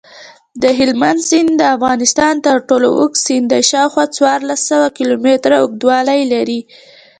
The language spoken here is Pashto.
دهلمند سیند دافغانستان ترټولو اوږد سیند دی شاوخوا څوارلس سوه کیلومتره اوږدوالۍ لري.